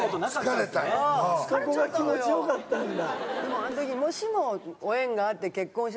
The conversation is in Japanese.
そこが気持ちよかったんだ。